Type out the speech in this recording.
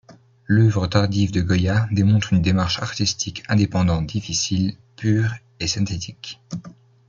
L'œuvre tardive de Goya démontre une démarche artistique indépendante difficile, pure et synthétique.